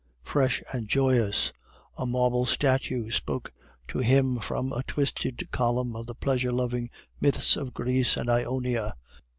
Fresh and joyous, a marble statue spoke to him from a twisted column of the pleasure loving myths of Greece and Ionia.